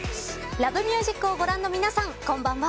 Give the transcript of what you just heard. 『Ｌｏｖｅｍｕｓｉｃ』をご覧の皆さんこんばんは。